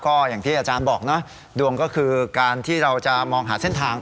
ก็อย่างที่อาจารย์บอกนะดวงก็คือการที่เราจะมองหาเส้นทาง